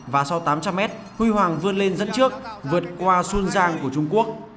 và sau tám trăm linh mét huy hoàng vươn lên dẫn trước vượt qua xuân giang của trung quốc